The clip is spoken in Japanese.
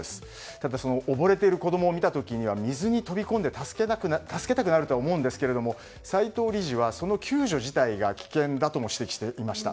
ただ、おぼれている子供を見た時には水に飛び込んで助けたくなると思うんですけれども、斎藤理事はその救助自体が危険だとも指摘していました。